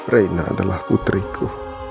reina adalah putriku